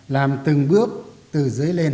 làm từng bước từ dưới lên